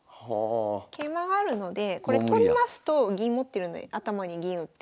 桂馬があるのでこれ取りますと銀持ってるので頭に銀打って。